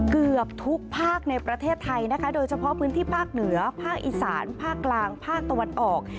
เกือบทุกภาคในประเทศไทยนะคะโดยเฉพาะพื้นที่ภาคเหนือภาคอีสานภาคกลางภาคตะวันออก